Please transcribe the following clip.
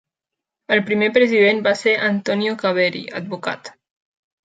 El primer president va ser Antonio Caveri, advocat.